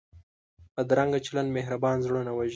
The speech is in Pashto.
بدرنګه چلند مهربان زړونه وژني